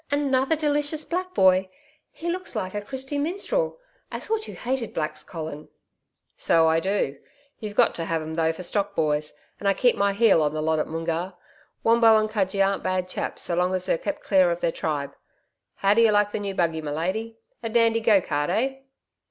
Another delicious black boy! He looks like a Christy Minstrel. I thought you hated blacks, Colin.' 'So I do. You've got to have 'em though for stock boys, and I keep my heel on the lot at Moongarr. Wombo and Cudgee aren't bad chaps so long as they are kept clear of their tribe. How do you like the new buggy, my lady? A dandy go cart, eh?'